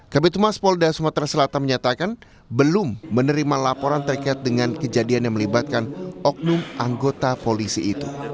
kb tumas polda sumatera selatan menyatakan belum menerima laporan terkait dengan kejadian yang melibatkan oknum anggota polisi itu